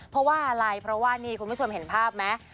เพราะว่าอะไรเพราะว่านี่คุณผู้ชมเห็นภาพไหม